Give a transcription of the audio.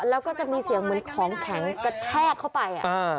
แล้วก็จะมีเสียงเหมือนของแข็งกระแทกเข้าไป